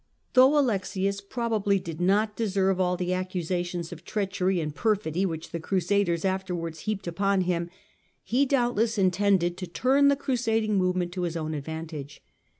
Though Alexius probably did not deserve all the accusations of treachery and perfidy which the Crusaders afterwards heaped upon him, he doubtless intended to turn the crusading movement to his own advantage.